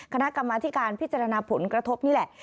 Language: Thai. คณะกรรมธิการพิจารณาผลกระทบนี่แหละ